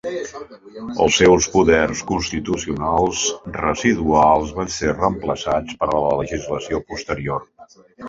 Els seus poders constitucionals residuals van ser reemplaçats per la legislació posterior.